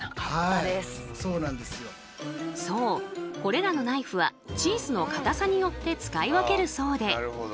そうこれらのナイフはチーズの硬さによって使い分けるそうで。